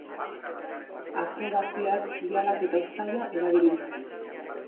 Akrobaziak oihalak eta uztaia erabiliz.